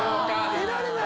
得られない。